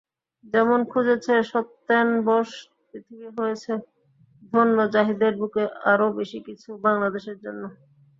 যেমন খুঁজেছে সত্যেন বোস, পৃথিবী হয়েছে ধন্যজাহিদের বুকে আরও বেশি কিছু বাংলাদেশের জন্য।